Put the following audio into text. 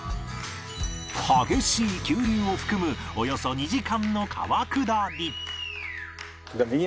激しい急流を含むおよそ２時間の川下り